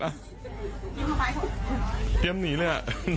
เเบี้ยมหนีด้วยอ่ะ